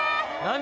何？